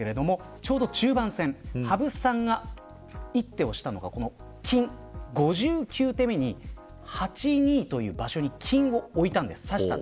ちょうど中盤戦羽生さんが一手をしたのが５９手目に８二という場所に金を置いたんです。